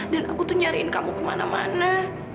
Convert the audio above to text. dan aku tuh nyariin kamu kemana mana